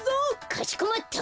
かしこまった！